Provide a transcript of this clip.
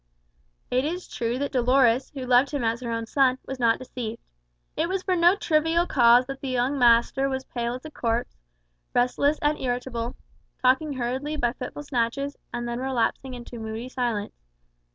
It is true that Dolores, who loved him as her own son, was not deceived. It was for no trivial cause that the young master was pale as a corpse, restless and irritable, talking hurriedly by fitful snatches, and then relapsing into moody silence.